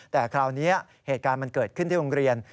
แต่คราวนี้เหตุการณ์มันเกิดขึ้นที่โรงเรียน